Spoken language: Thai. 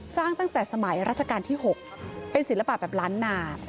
ตั้งแต่สมัยราชการที่๖เป็นศิลปะแบบล้านนา